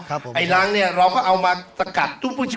ไอ้รังเนี่ยเราก็เอามาสกัด